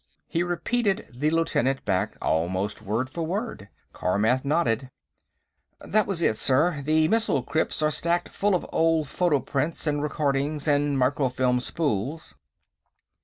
He repeated the lieutenant back, almost word for word. Carmath nodded. "That was it, sir. The missile crypts are stacked full of old photoprints and recording and microfilm spools.